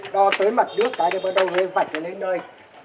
đo tới mặt nước cái này bắt đầu hơi vạch lên đến đây